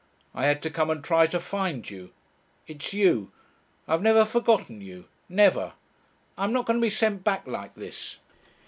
I had to come and try to find you. It's you. I've never forgotten you. Never. I'm not going to be sent back like this."